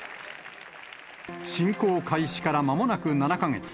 侵攻開始から間もなく７か月。